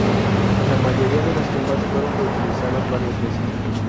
La mayoría de las tumbas fueron reutilizadas varias veces.